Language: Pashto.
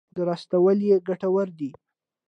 درستوالی ګټور دی.